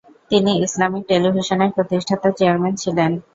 তিনি ইসলামিক টেলিভিশনের প্রতিষ্ঠাতা চেয়ারম্যান ছিলেন।